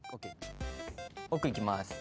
奥行きます